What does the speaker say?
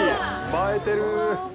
映えてる。